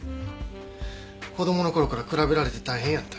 子供の頃から比べられて大変やった。